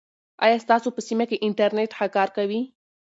آیا ستاسو په سیمه کې انټرنیټ ښه کار کوي؟